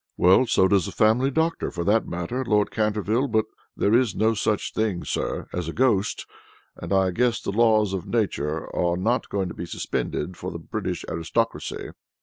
"Well, so does the family doctor for that matter, Lord Canterville. But there is no such thing, sir, as a ghost, and I guess the laws of Nature are not going to be suspended for the British aristocracy."